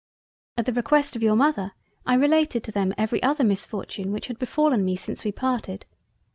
At the request of your Mother I related to them every other misfortune which had befallen me since we parted.